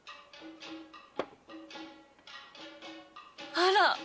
あら！